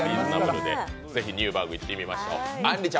ぜひニューバーグ、行ってみましょう。